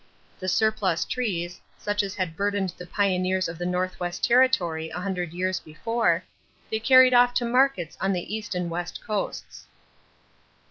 The surplus trees, such as had burdened the pioneers of the Northwest Territory a hundred years before, they carried off to markets on the east and west coasts.